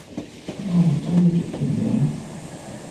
我唔鍾意食甜野